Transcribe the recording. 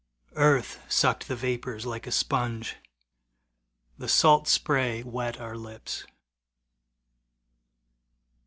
Earth sucked the vapors like a sponge, The salt spray wet our lips.